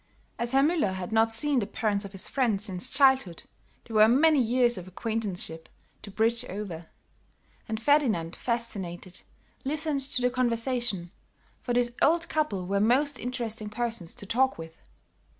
As Herr Müller had not seen the parents of his friend since childhood there were many years of acquaintanceship to bridge over; and Ferdinand, fascinated, listened to the conversation, for this old couple were most interesting persons to talk with.